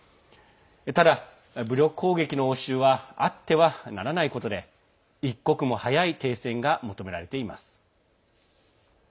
ただ、武力攻撃の応酬はあってはならないことで一刻も早い停戦が求められています。